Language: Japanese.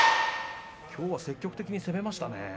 きょうは積極的に攻めましたね。